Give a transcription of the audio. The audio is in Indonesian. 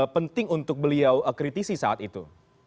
penting untuk beliau kritisi saat itu